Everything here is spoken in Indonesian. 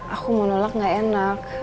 aku mau nolak gak enak